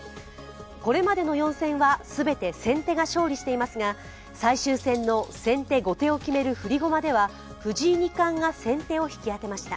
これまでの４戦は全て先手が勝利していますが、最終戦の先手後手を決める振り駒では藤井二冠が先手を引き当てました。